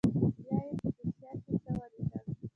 بيا يې په دوسيه کښې څه وليکل.